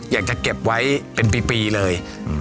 อยากจะเก็บไว้เป็นปีเลย